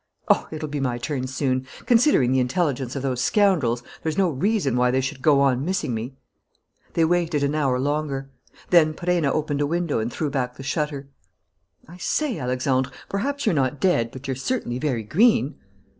"Oh, it'll be my turn soon! Considering the intelligence of those scoundrels, there's no reason why they should go on missing me." They waited an hour longer. Then Perenna opened a window and threw back the shutter. "I say, Alexandre, perhaps you're not dead, but you're certainly very green."